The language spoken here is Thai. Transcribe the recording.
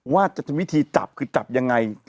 ว่าจะทำวิธีจับคือจับยังไง